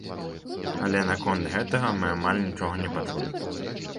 Але наконт гэтага мы амаль нічога не пачулі.